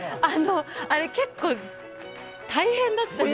あれ結構大変だったんですよ。